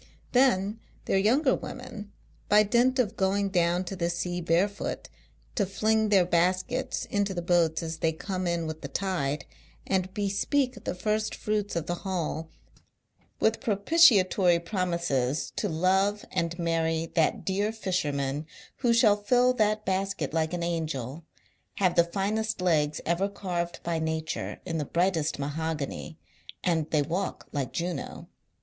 Then, their younger women, by dint of going down to the sea barefoot, to fling their baskets into the boats as they come in with the tide, and bespeak the first fruits of the haul with propitiatory promises to love and marry that dear fisherman who shall fill that basket like an Angel, have the finest er carved by Nature in the brightest mahogany, and they walk like Juno.